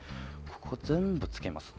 ここ全部つけます。